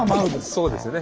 そうですね。